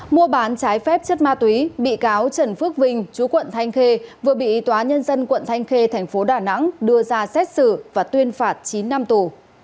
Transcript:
mua bán trái phép chất ma túy bị cáo trần phước vinh chú quận thanh khê vừa bị tòa nhân dân quận thanh khê thành phố đà nẵng đưa ra xét xử và tuyên phạt chín năm tù